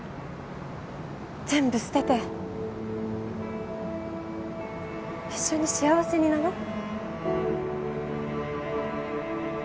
全部捨てて一緒に幸せになろう？